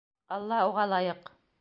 Аллаһ уға лайыҡ.